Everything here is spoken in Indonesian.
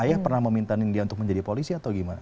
ayah pernah meminta nindya untuk menjadi polisi atau gimana